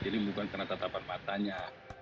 jadi bukan kena tatapan matanya